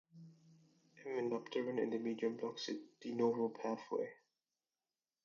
Aminopterin in the medium blocks the "de novo" pathway.